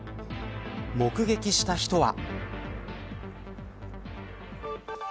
目撃した人は。